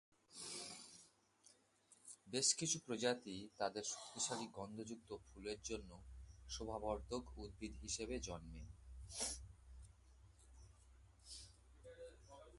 বেশ কিছু প্রজাতি তাদের শক্তিশালী গন্ধযুক্ত ফুলের জন্য শোভাবর্ধক উদ্ভিদ হিসেবে জন্মে।